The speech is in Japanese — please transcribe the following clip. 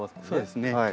そうですね。